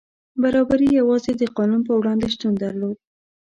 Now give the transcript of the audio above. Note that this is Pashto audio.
برابري یوازې د قانون په وړاندې شتون درلود.